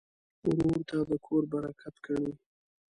ورور ته د کور برکت ګڼې.